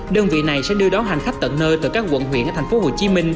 đơn vị này sẽ đưa đón hành khách tận nơi từ các quận huyện ở tp hcm